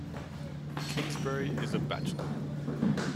Kingsbury is a bachelor.